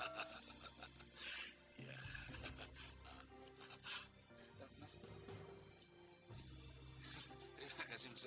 terima kasih mas